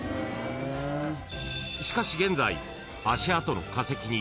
［しかし現在］